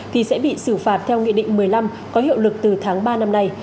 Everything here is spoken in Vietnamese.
thì sẽ bị xử phạt theo nghị định một mươi năm có hiệu lực từ tháng ba năm nay